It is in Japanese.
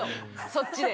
そっちで。